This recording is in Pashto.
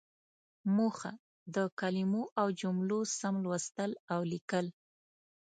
موخه: د کلمو او جملو سم لوستل او ليکل.